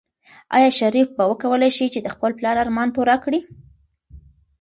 آیا شریف به وکولی شي چې د خپل پلار ارمان پوره کړي؟